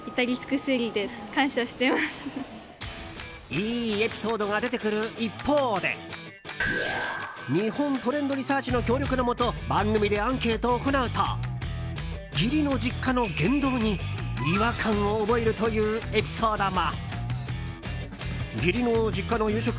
良いエピソードが出てくる一方で日本トレンドリサーチの協力のもと番組でアンケートを行うと義理の実家の言動に違和感を覚えるというエピソードも。